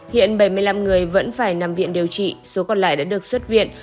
hiện bảy mươi năm người vẫn phải nằm viện điều trị số còn lại đã được xuất viện